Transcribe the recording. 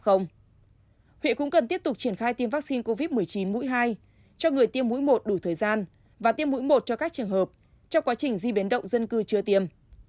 huyện cũng cần tiếp tục triển khai tiêm vaccine covid một mươi chín mũi hai cho người tiêm mũi một đủ thời gian và tiêm mũi một cho các trường hợp trong quá trình di biến động dân cư chưa tiêm